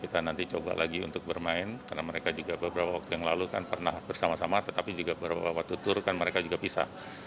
kita nanti coba lagi untuk bermain karena mereka juga beberapa waktu yang lalu kan pernah bersama sama tetapi juga beberapa waktu tur kan mereka juga pisah